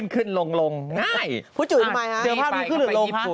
ขึ้นลงลงผู้จุ๋ยทำไมฮะเจอภาพนี้ขึ้นหรือลง